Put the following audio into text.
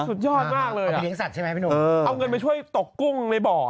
สุดยอดมากเลยไปเลี้ยสัตวใช่ไหมพี่หนุ่มเอาเงินไปช่วยตกกุ้งในบ่อ